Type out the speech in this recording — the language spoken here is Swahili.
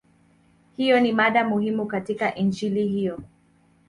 Hiyo ni mada muhimu katika Injili hiyo.